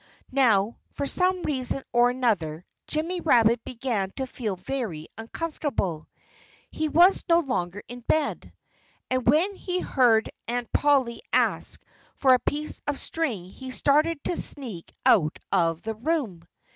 Now, for some reason or other, Jimmy Rabbit began to feel very uncomfortable. He was no longer in bed. And when he heard Aunt Polly ask for a piece of string he started to sneak out of the room.